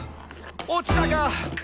落ちたか！」